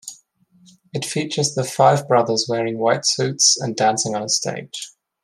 It features the five brothers wearing white suits and dancing on a stage.